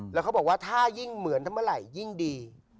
แล้วเขาบอกว่าถ้ายิ่งเหมือนถ้าเมื่อไหร่ยิ่งดี